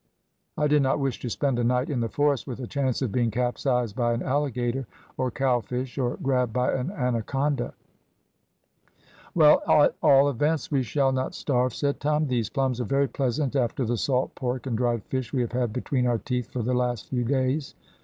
I did not wish to spend a night in the forest, with a chance of being capsized by an alligator, or cow fish, or grabbed by an anaconda. "`Well, at all events, we shall not starve,' said Tom; `these plums are very pleasant after the salt pork and dried fish we have had between our teeth for the last few days.'